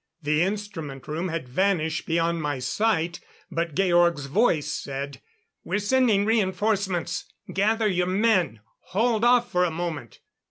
The instrument room had vanished beyond my sight; but Georg's voice said: "We're sending reinforcements! Gather your men hold off for a moment!"